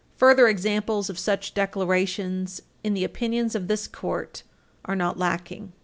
Further examples of such declarations in the opinions of this Court are not lacking.